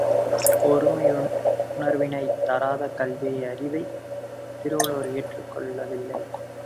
ஒருமையுணர்வினைத் தராத கல்வியை அறிவை திருவள்ளுவர் ஏற்றுக் கொள்ளவில்லை.